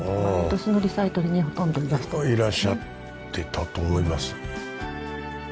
いらっしゃってたと思います。